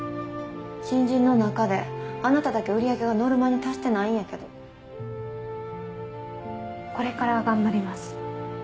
新人の中であなただけ売り上げがノルマに達してないんやけどこれから頑張ります